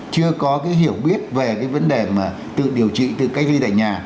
chưa có cái hiểu biết về cái vấn đề mà tự điều trị tự cách ly tại nhà